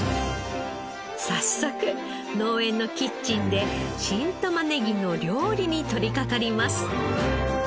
早速農園のキッチンで新玉ねぎの料理に取りかかります。